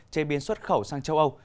chế biến xuất khẩu sang châu âu